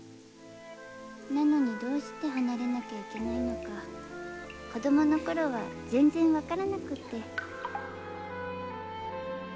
なのにどうして離れなきゃいけないのか子供の頃は全然分からなくって。